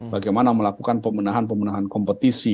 bagaimana melakukan pemenahan pemenahan kompetisi